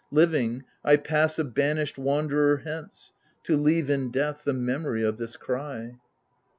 Living, I pass a banished wanderer hence. To leave in death the memory of this cry.